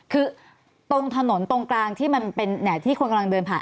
คือตรงถนนตรงกลางที่คุณกำลังเดินผ่าน